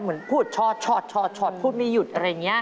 เหมือนพูดชอดพูดไม่หยุดอะไรอย่างนี้